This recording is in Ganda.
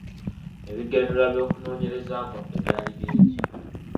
Ebigendererwa by’okunoonyereza kwaffe byali bingi.